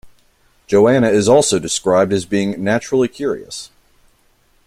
Joanna is also described as being naturally curious.